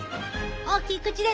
大きい口で！